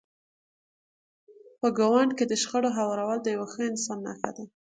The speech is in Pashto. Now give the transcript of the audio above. په ګاونډ کې د شخړو هوارول د یو ښه انسان نښه ده.